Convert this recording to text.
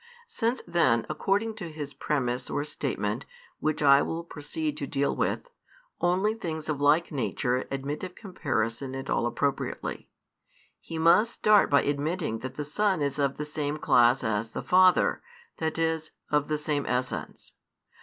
Since then, according to his premise or statement, which I will proceed to deal with, only things of like nature admit of comparison at all appropriately, he must start by admitting that the Son is of the same class as the Father, that is, of the same Essence.